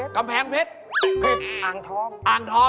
กำแพงเพชรอ่างทอง